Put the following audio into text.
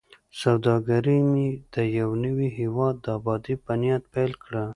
سوداګري مې د یوه نوي هیواد د ابادۍ په نیت پیل کړه.